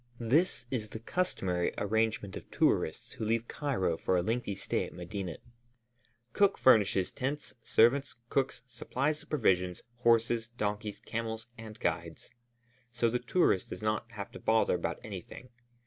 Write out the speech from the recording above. This is the customary arrangement of tourists who leave Cairo for a lengthy stay at Medinet. Cook furnishes tents, servants, cooks, supplies of provisions, horses, donkeys, camels, and guides; so the tourist does not have to bother about anything.